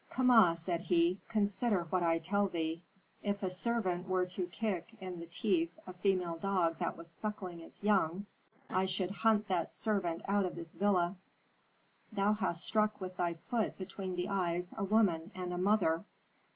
"Kama," said he, "consider what I tell thee: If a servant here were to kick in the teeth a female dog that was suckling its young, I should hunt that servant out of this villa. Thou hast struck with thy foot between the eyes a woman and a mother.